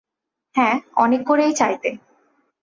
হ্যাঁ, অনেক করেই চাইতে।